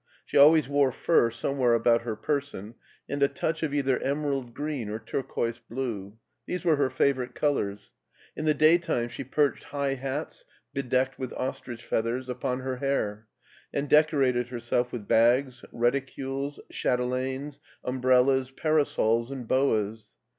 She always wore fur somewhere about her person, and a touch of either emerald green or turquoise blue. These were her favorite colors. In the daytime she perched high hats, bedecked with ostrich feathers, upon her hair, and decorated herself with bags, reti cules, chatelaines, umbrellas, parasols, and boas.